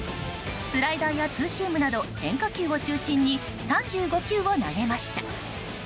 スライダーやツーシームなど変化球を中心に３５球を投げました。